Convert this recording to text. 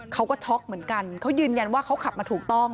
ช็อกเหมือนกันเขายืนยันว่าเขาขับมาถูกต้อง